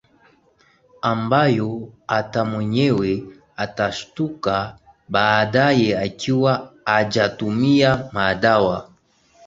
ambayo hata mwenyewe atashtuka baadaye akiwa hajatumia madawa